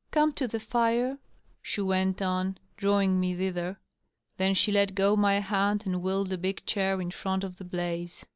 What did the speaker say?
" Come to the fire," she went on, drawing me thither. Then she let go my hand, and wheeled a big chair in front of the blaze.